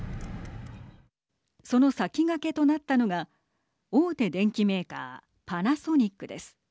その先駆けとなったのが大手電機メーカーパナソニックです。